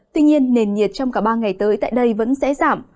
tuy nhiên nền nhiệt trong cả ba ngày tới tại đây vẫn sẽ giảm